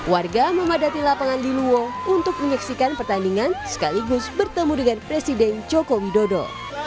warga memadati lapangan liluwo untuk menyaksikan pertandingan sekaligus bertemu dengan presiden joko widodo